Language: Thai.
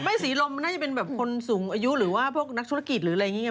สีลมมันน่าจะเป็นแบบคนสูงอายุหรือว่าพวกนักธุรกิจหรืออะไรอย่างนี้ไง